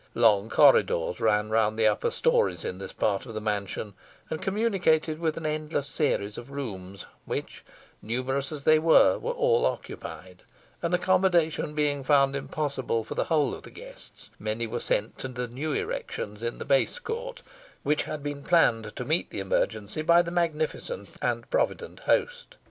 Long corridors ran round the upper stories in this part of the mansion, and communicated with an endless series of rooms, which, numerous as they were, were all occupied, and, accommodation being found impossible for the whole of the guests, many were sent to the new erections in the base court, which had been planned to meet the emergency by the magnificent and provident host.